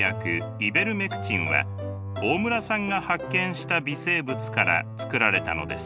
イベルメクチンは大村さんが発見した微生物から作られたのです。